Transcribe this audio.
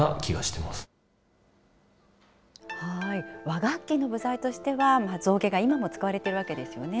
和楽器の部材としては、象牙が今も使われているわけですよね。